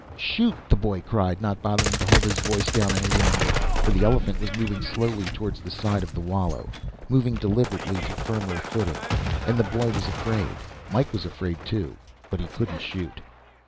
"Shoot!" the boy cried, not bothering to hold his voice down any longer. For the elephant was moving slowly towards the side of the wallow, moving deliberately to firmer footing, and the boy was afraid. Mike was afraid, too, but he couldn't shoot.